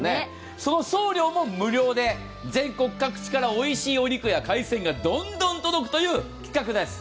その送料も無料で全国各地からおいしいお肉や海鮮がどんどん届くという企画です。